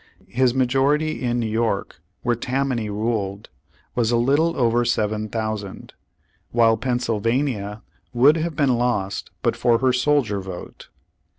His majority in New York, where Tam many ruled, was a little over seven thousand, while Pennsylvania would have been lost but for her soldier vote.